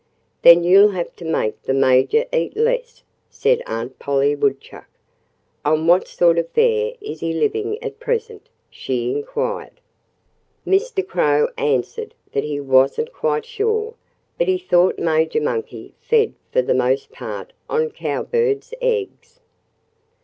"Then you'll have to make the Major eat less," said Aunt Polly Woodchuck. "On what sort of fare is he living at present?" she inquired. Mr. Crow answered that he wasn't quite sure, but he thought Major Monkey fed for the most part on cowbirds' eggs.